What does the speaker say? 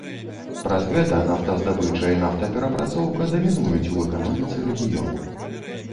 Праз гэта нафтаздабыча і нафтаперапрацоўка дамінуюць у эканоміцы рэгіёну.